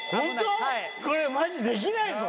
これマジできないぞ。